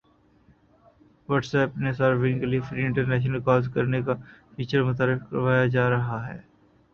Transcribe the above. what's app نے صارفین کی لیے فری انٹرنیشنل کالز کرنے کا فیچر متعارف کروایا جا رہا ہے